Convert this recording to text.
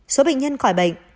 số bệnh nhân khỏi bệnh